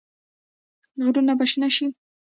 غرونه به شنه شي.